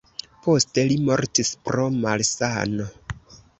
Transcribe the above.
Poste li mortis pro malsano.